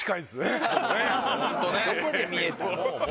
どこで見えた？